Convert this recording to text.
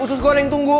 usus goreng tunggu